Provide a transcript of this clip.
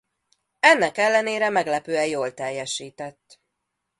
Ennek ellenére meglepően jól teljesített.